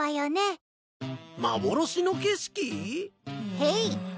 へい！